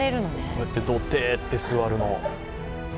こうやって、どてーって座るの。